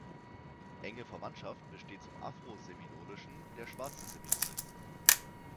Enge Verwandtschaft besteht zum Afro-Seminolischen der Schwarzen Seminolen.